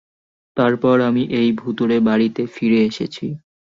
তারপর আমি, এই ভুতুড়ে বাড়িতে ফিরে এসেছি।